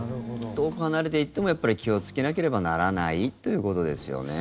遠く離れていってもやっぱり気をつけなければならないということですよね。